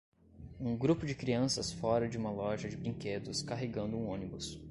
Um grupo de crianças fora de uma loja de brinquedos carregando um ônibus.